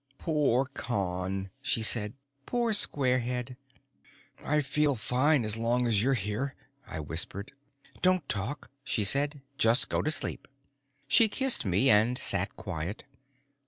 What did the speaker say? "Poor Con," she said. "Poor squarehead." "I feel fine as long as you're here," I whispered. "Don't talk," she said. "Just go to sleep." She kissed me and sat quiet.